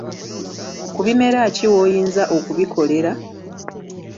Ku bimera ki w’oyinza okubikolera?